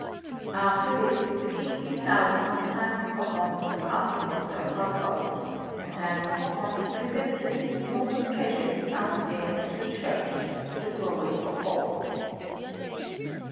After this the King bestowed upon Simon Koppand the castle of Sir Fulko, and Simon Koppand presented the enormous treasure he found there to the Church, to the glory of God.